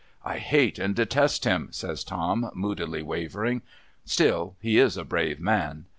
' I hate and detest him,' says Tom, moodily wavering. ' Still, he is a brave man.'